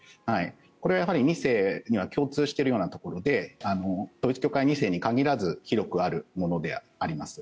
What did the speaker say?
これ、２世には共通しているようなところで統一教会２世に限らず広くあるものであります。